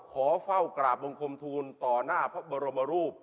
ขอเฝ้ากราบบังคมทูลต่อหน้าพระบรมรูป